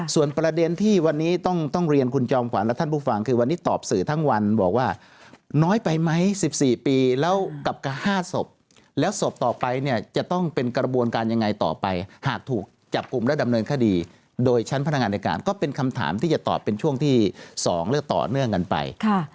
ส่วนประเด็นที่วันนี้ต้องเรียนคุณจอมขวัญและท่านผู้ฟังคือวันนี้ตอบสื่อทั้งวันบอกว่าน้อยไปไหม๑๔ปีแล้วกับ๕ศพแล้วศพต่อไปเนี่ยจะต้องเป็นกระบวนการยังไงต่อไปหากถูกจับกลุ่มและดำเนินคดีโดยชั้นพนักงานในการก็เป็นคำถามที่จะตอบเป็นช่วงที่๒และต่อเนื่องกันไป